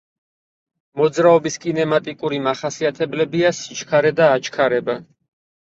მოძრაობის კინემატიკური მახასიათებლებია სიჩქარე და აჩქარება.